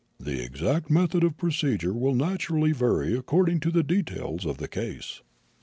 The exact method of procedure will naturally vary according to the details of the case."